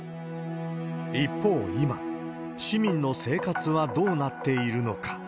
一方、今、市民の生活はどうなっているのか。